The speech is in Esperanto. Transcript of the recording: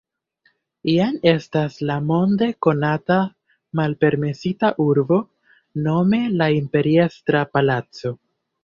Jen estas la monde konata Malpermesita Urbo, nome la Imperiestra Palaco.